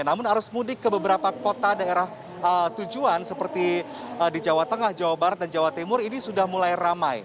namun arus mudik ke beberapa kota daerah tujuan seperti di jawa tengah jawa barat dan jawa timur ini sudah mulai ramai